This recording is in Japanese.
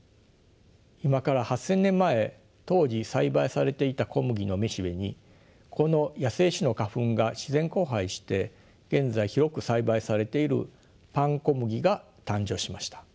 今から８，０００年前当時栽培されていた小麦の雌しべにこの野生種の花粉が自然交配して現在広く栽培されているパンコムギが誕生しました。